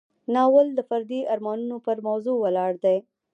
ناول د فردي ارمانونو پر موضوع ولاړ دی.